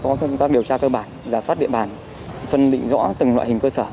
có công tác điều tra cơ bản giả soát địa bàn phân định rõ từng loại hình cơ sở